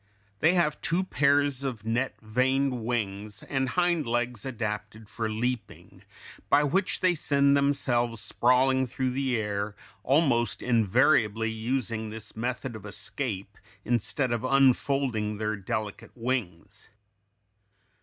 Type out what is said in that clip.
They have two pairs of net veined wings, and hind legs adapted for leaping, by which they send themselves sprawling through the air, almost invariably using this method of escape instead of unfolding their delicate wings.